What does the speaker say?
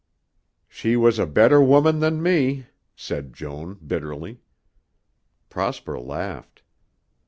"She was a better woman than me," said Joan bitterly. Prosper laughed.